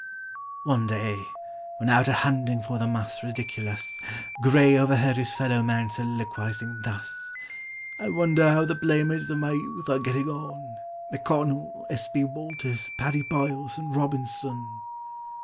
One day, when out a hunting for the mus ridiculus, GRAY overheard his fellow man soliloquizing thus: "I wonder how the playmates of my youth are getting on, M'CONNELL, S. B. WALTERS, PADDY BYLES, and ROBINSON?"